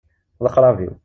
D aqrab-iw.